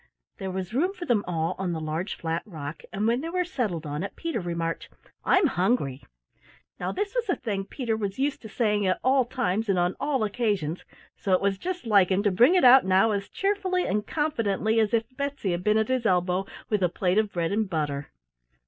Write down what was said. There was room for them all on the large flat rock, and when they were settled on it, Peter remarked: "I'm hungry!" Now this was a thing Peter was used to saying at all times and on all occasions, so it was just like him to bring it out now as cheerfully and confidently as if Betsy had been at his elbow with a plate of bread and butter.